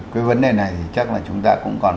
cái vấn đề này thì chắc là chúng ta cũng còn